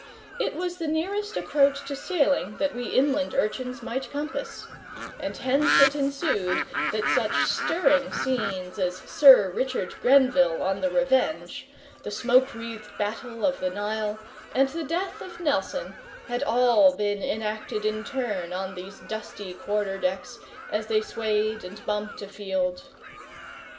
It was the nearest approach to sailing that we inland urchins might compass: and hence it ensued, that such stirring scenes as Sir Richard Grenville on the Revenge, the smoke wreathed Battle of the Nile, and the Death of Nelson, had all been enacted in turn on these dusty quarter decks, as they swayed and bumped afield.